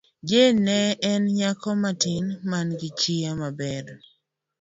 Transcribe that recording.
Jane ne en nyako matin man gi chia maber.